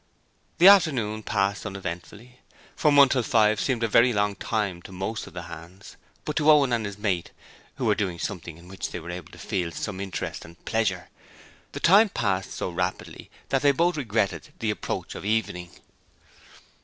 The afternoon passed uneventfully. From one till five seemed a very long time to most of the hands, but to Owen and his mate, who were doing something in which they were able to feel some interest and pleasure, the time passed so rapidly that they both regretted the approach of evening.